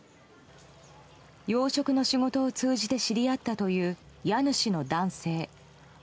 養殖の仕事を通じて知り合ったという家主の男性。